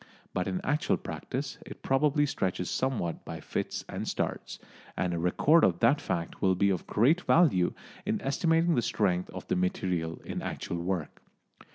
But in actual practice it probably stretches somewhat by fits and starts, and a record of that fact will be of great value in estimating the strength of the material in actual work.